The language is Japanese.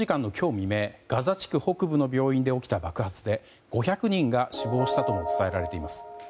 未明ガザ地区北部の病院で起きた爆発で５００人が死亡したと伝えられています。